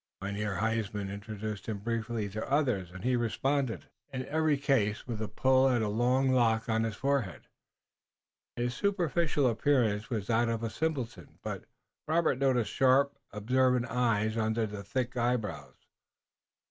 Mynheer Huysman introduced him briefly to the others, and he responded, in every case, with a pull at a long lock on his forehead. His superficial appearance was that of a simpleton, but Robert noticed sharp, observant eyes under the thick eyebrows.